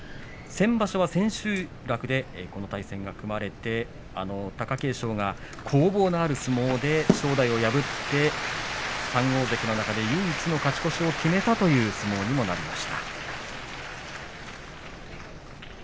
先場所は千秋楽でこの対戦が組まれて貴景勝が攻防のある相撲で正代を破って３大関の中で唯一の勝ち越しを決めたという相撲にもなりました。